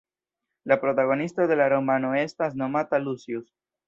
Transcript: La protagonisto de la romano estas nomata Lucius.